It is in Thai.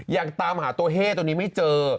ยังตามหาตัวเฮ้ตัวนี้ไม่เจอ